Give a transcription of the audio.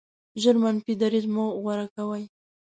ژر منفي دریځ مه غوره کوئ.